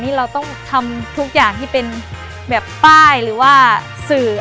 นี่เราต้องทำทุกอย่างที่เป็นแบบป้ายหรือว่าสื่อ